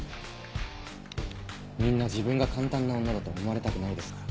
みんな自分が簡単な女だと思われたくないですから。